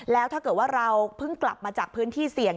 แล้วถ้าเกิดว่าเราเพิ่งกลับมาจากพื้นที่เสี่ยง